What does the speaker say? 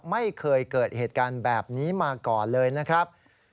ไม่เคยเกิดเหตุการณ์แบบนี้มาก่อนเลยนะครับ